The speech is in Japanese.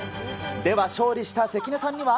では勝利した関根さんには。